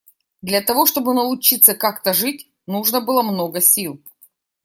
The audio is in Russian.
Для того чтобы научиться как-то жить, нужно было много сил.